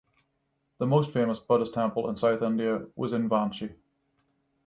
The most famous Buddhist temple in South India was in Vanchi.